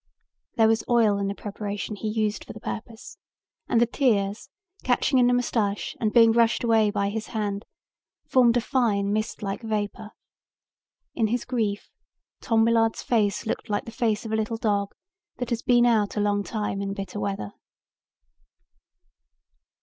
There was oil in the preparation he used for the purpose and the tears, catching in the mustache and being brushed away by his hand, formed a fine mist like vapor. In his grief Tom Willard's face looked like the face of a little dog that has been out a long time in bitter weather.